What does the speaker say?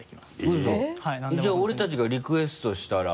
ウソじゃあ俺たちがリクエストしたら。